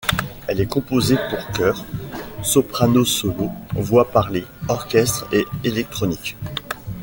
Elle est composée pour chœur, soprano solo, voix parlée, orchestre et électroniques.